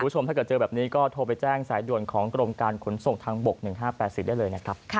ถ้าเกิดเจอแบบนี้ก็โทรไปแจ้งสายด่วนของกรมการขนส่งทางบก๑๕๘๔ได้เลยนะครับ